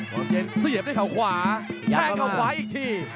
ตอนเย็นเสียบด้วยเขาขวาแทงเขาขวาอีกที